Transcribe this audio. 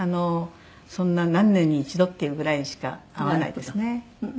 そんな何年に一度っていうぐらいしか会わないですね。